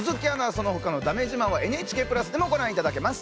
そのほかのだめ自慢はＮＨＫ＋でもご覧いただけます。